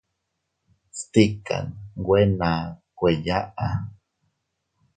Stikan nwe naa kueyaʼa.